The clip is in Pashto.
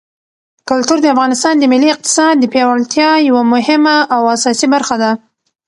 کلتور د افغانستان د ملي اقتصاد د پیاوړتیا یوه مهمه او اساسي برخه ده.